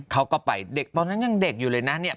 เขาก็ไปเด็กตอนนั้นยังเด็กอยู่เลยนะเนี่ย